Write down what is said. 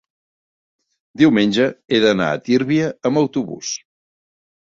diumenge he d'anar a Tírvia amb autobús.